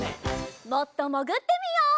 もっともぐってみよう。